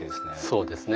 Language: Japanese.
そうですね